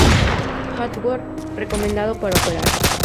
Hardware recomendado para operar.